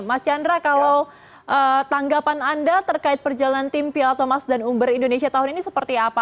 mas chandra kalau tanggapan anda terkait perjalanan tim piala thomas dan umber indonesia tahun ini seperti apa